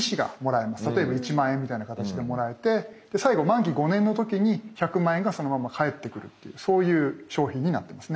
例えば１万円みたいな形でもらえて最後満期５年の時に１００万円がそのまま返ってくるっていうそういう商品になってますね。